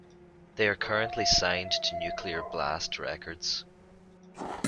They are currently signed to Nuclear Blast records.